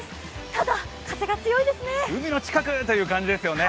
ただ、風が強いですね。